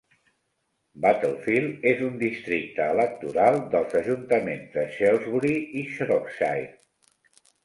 Battlefield és un districte electoral dels ajuntaments de Shrewsbury i Shropshire.